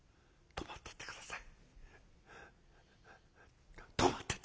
泊まってって下さい」。